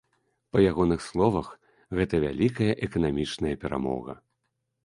Па ягоных словах, гэта вялікая эканамічная перамога.